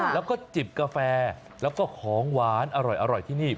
แล้วก็จิบกาแฟแล้วก็ของหวานอร่อยที่นี่